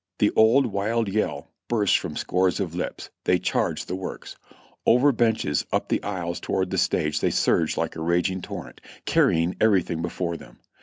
The old wild yell burst from scores of lips. They charged the works ! Over benches, up the aisles toward the stage they surged like a raging torrent, carrying everything before them.